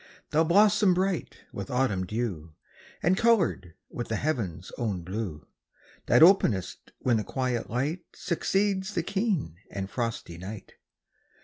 Thou blossom bright with autumn dew, And coloured with the heaven's own blue, That openest when the quiet light Succeeds the keen and frosty night.